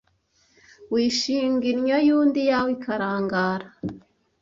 Wishinga innyo y'undi iyawe ikarangara